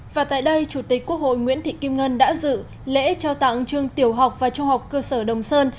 và tại đây chủ tịch quốc hội nguyễn thị kim ngân đã dự lễ trao tặng trường tiểu học và trung học cơ sở đồng sơn